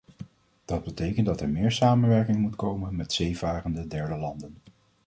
Dat betekent dat er meer samenwerking moet komen met zeevarende derde landen.